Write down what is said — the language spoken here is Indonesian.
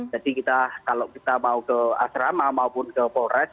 jadi kalau kita mau ke asrama maupun ke polres